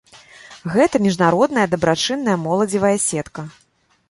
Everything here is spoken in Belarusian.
Гэта міжнародная дабрачынная моладзевая сетка.